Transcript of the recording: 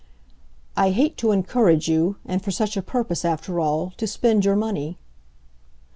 "I hate to encourage you and for such a purpose, after all to spend your money."